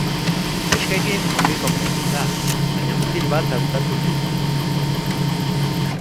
Neskekin ongi konpontzen da, baina mutil bat hautatu nahi zuen.